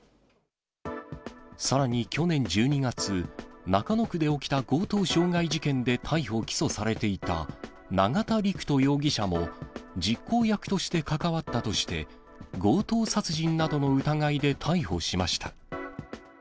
さらに去年１２月、中野区で起きた強盗傷害事件で逮捕・起訴されていた永田陸人容疑者も、実行役として関わったとして、強盗殺人などの疑いで逮捕しました。